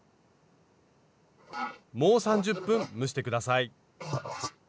もう３０分蒸して下さい。